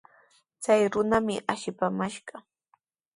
Chay runami ashipaamashqa.